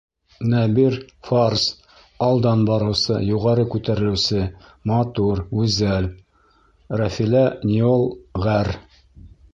Нәбир фарс. — алдан барыусы; юғары күтәрелеүсе — матур, гүзәл Рафилә неол., ғәр.